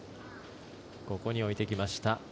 ここに置いてきました。